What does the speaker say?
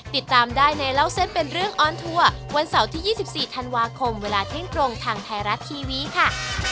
ติดตามได้ในเล่าเส้นเป็นเรื่องออนทัวร์วันเสาร์ที่๒๔ธันวาคมเวลาเที่ยงตรงทางไทยรัฐทีวีค่ะ